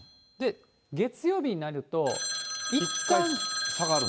月曜日になると、いったん下がる？